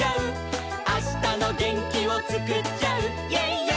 「あしたのげんきをつくっちゃう」